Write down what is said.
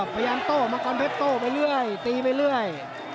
ประยาณโต้มะกรเพชรโต้ไปเรื่อยตีไปเรื่อย